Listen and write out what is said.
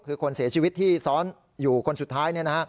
คือคนเสียชีวิตที่ซ้อนอยู่คนสุดท้าย